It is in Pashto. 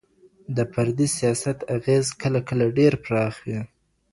د فردي سياست اغېز کله کله ډېر پراخ وي.